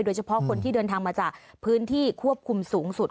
โดยเฉพาะคนที่เดินทางมาจากพื้นที่ควบคุมสูงสุด